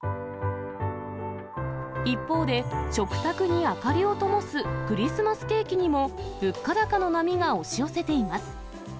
一方で、食卓に明かりをともすクリスマスケーキにも、物価高の波が押し寄せています。